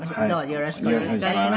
よろしくお願いします。